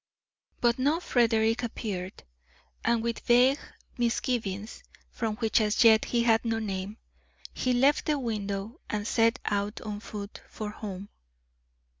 But no Frederick appeared, and with vague misgivings, for which as yet he had no name, he left the window and set out on foot for home.